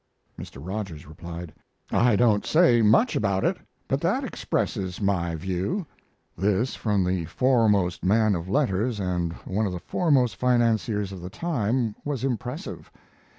Mr. Rogers replied, "I don't say much about it, but that expresses my view." This from the foremost man of letters and one of the foremost financiers of the time was impressive.